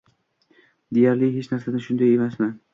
Deyarli hech narsani, shunday emasmi?